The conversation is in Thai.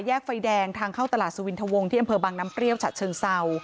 ไฟแดงทางเข้าตลาดสุวินทวงที่อำเภอบังน้ำเปรี้ยวฉะเชิงเศร้า